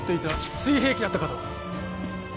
水平器だったかと